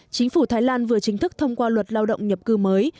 chính phủ thái lan vừa chính thức thông qua luật lao động nhập cư mới